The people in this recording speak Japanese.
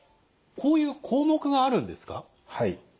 こういう項目があるんですか？